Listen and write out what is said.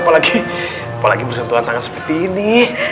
apalagi bersentuhan tangan seperti ini